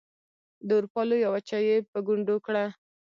د اروپا لویه وچه یې په ګونډو کړه.